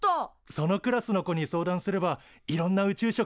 そのクラスの子に相談すればいろんな宇宙食が作れるんじゃない？